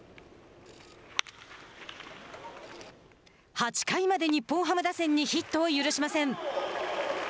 ８回まで日本ハム打線にヒットを許しません。